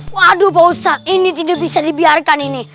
waduh pak ustadz ini tidak bisa dibiarkan ini